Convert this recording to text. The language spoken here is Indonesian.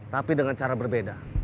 tapi dengan cara berbeda